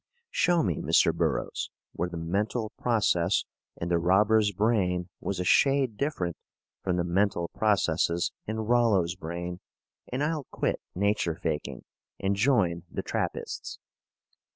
Show me, Mr. Burroughs, where the mental process in the robber's brain was a shade different from the mental processes in Rollo's brain, and I'll quit nature faking and join the Trappists.